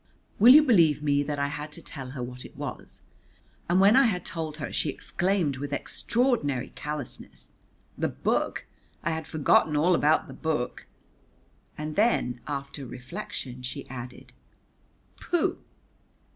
Will you believe me that I had to tell her what it was? And when I had told her she exclaimed with extraordinary callousness, "The book? I had forgotten all about the book!" And then after reflection she added, "Pooh!"